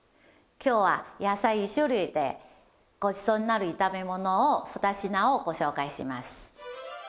今日は野菜１種類でごちそうになる炒めものを２品をご紹介します。